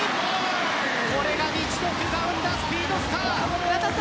これがみちのくが生んだスピードスター。